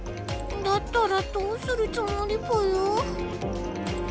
だったらどうするつもりぽよ？